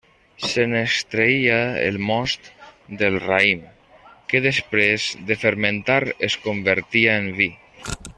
Se n'extreia el most del raïm, que després de fermentar es convertia en vi.